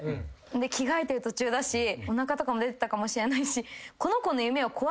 着替えてる途中だしおなかとかも出てたかもしれないし。